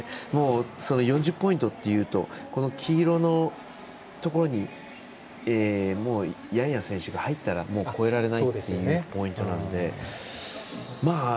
その４０ポイントっていうと黄色のところにもうヤンヤ選手が入ったら超えられないというポイントなので。